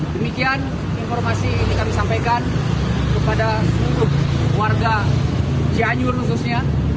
demikian informasi ini kami sampaikan kepada seluruh warga cianjur khususnya